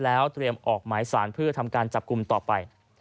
แล้วเตรียมออกหมายสารเพื่อทำการจับกลุ่มต่อไป